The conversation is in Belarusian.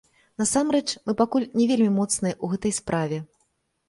Насамрэч, мы пакуль не вельмі моцныя ў гэтай справе.